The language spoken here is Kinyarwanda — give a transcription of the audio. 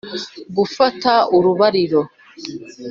gufata urubariro